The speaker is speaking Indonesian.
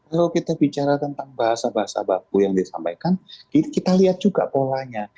kalau kita bicara tentang bahasa bahasa baku yang disampaikan kita lihat juga polanya